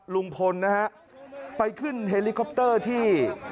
ลุงพลนะฮะไปขึ้นเฮลิคอปเตอร์ที่